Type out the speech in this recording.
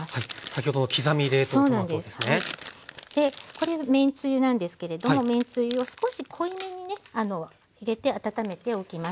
これはめんつゆなんですけれどもめんつゆを少し濃いめにね入れて温めておきます。